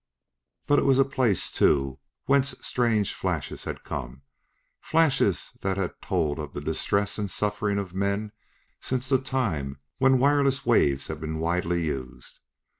But it was the place, too, whence strange flashes had come, flashes that had told of the distress and suffering of men since the time when wireless waves had been widely used.